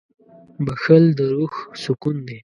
• بښل د روح سکون دی.